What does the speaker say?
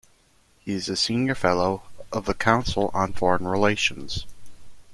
He is a Senior Fellow of the Council on Foreign Relations.